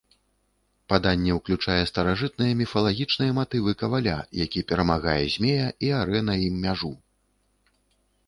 Паданне ўключае старажытныя міфалагічныя матывы каваля, які перамагае змея і арэ на ім мяжу.